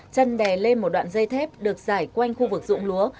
chân đè lên một đoạn dây thép được giải quanh khu vực dụng lúa